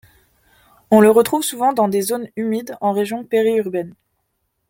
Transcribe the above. On le retrouve souvent dans des zones humides en région périurbaine.